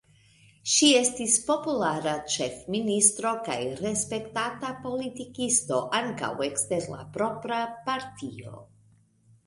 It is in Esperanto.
Ŝi estis populara ĉefministro kaj respektata politikisto ankaŭ ekster la propra partio.